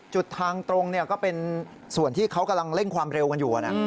จุดทางตรงก็เป็นส่วนที่เขากำลังเร่งความเร็วกันอยู่นะ